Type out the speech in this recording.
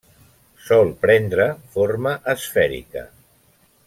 Sol prendre forma esfèrica.